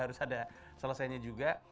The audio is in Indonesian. harus ada selesainya juga